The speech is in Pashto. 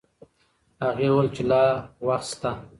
هغې وویل چې لا وخت شته.